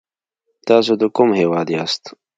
تاسو د کوم هېواد یاست ؟